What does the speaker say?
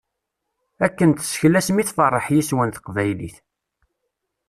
Akken tesseklasem i tferreḥ yes-wen teqbaylit.